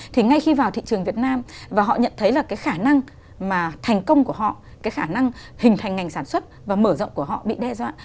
thì ngay khi vào thị trường việt nam và họ nhận thấy là cái khả năng mà thành công của họ cái khả năng hình thành ngành sản xuất và mở rộng của họ bị đe dọa